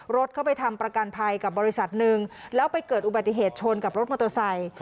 รถเข้าไปทำประกันภัยกับบริษัทหนึ่งแล้วไปเกิดอุบัติเหตุชนกับรถมอเตอร์ไซค์